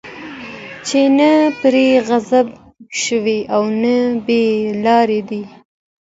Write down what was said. چې نه پرې غضب شوی، او نه بې لاري دي